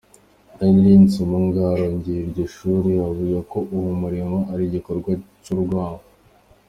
Henry Nsubuga, arongoye iryo shure avuga ko uwo muriro ari "igikorwa c'urwanko".